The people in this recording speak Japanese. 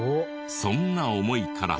そんな思いから。